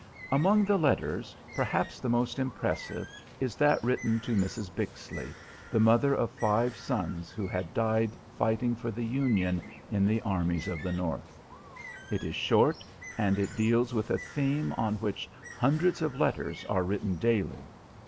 Among the letters, perhaps the most impressive is that written to Mrs. Bixley, the mother of five sons who had died fighting for the Union in the armies of the North. It is short, and it deals with a theme on which hundreds of letters are written daily.